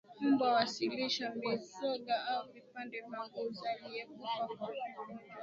Mbwa wasilishwe mizoga au vipande vya mbuzi aliyekufa kwa ugonjwa huu